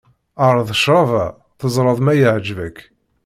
Ԑreḍ ccrab-a, teẓreḍ ma iεǧeb-ak.